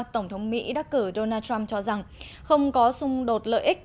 tổng thống mỹ đắc cử donald trump cho rằng không có xung đột lợi ích